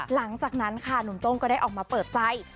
หลังจากนั้นค่ะหนุ่มโต้งก็ได้ออกมาเปิดใจ